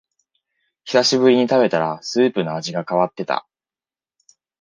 久しぶりに食べたらスープの味が変わってた